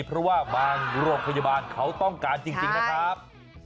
เพราะว่าบางโรงพยาบาลเขาต้องการจริงนะครับ